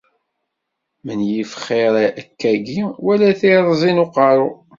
Menyif xiṛ akkagi wala tirẓi n uqerru.